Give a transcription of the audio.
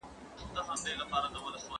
زه اجازه لرم چې کتاب واخلم!!